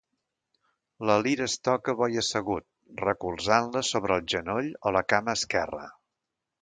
La lira es toca bo i assegut, recolzant-la sobre el genoll o la cama esquerra.